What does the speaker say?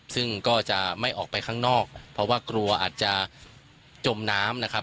ซึ่งก็จะไม่ออกไปข้างนอกเพราะว่ากลัวอาจจะจมน้ำนะครับ